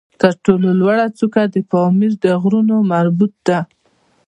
تر ټولو لوړه څوکه د پامیر د غرونو مربوط ده